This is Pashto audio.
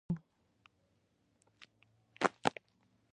ګنډ افغاني کالي ګران دي